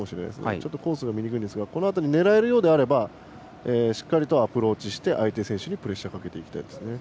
ちょっとコースが見にくいですが狙えるならしっかりとアプローチして相手選手にプレッシャーをかけていきたいですね。